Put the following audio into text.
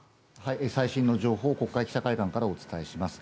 最新の情報を国会記者会館からお伝えします。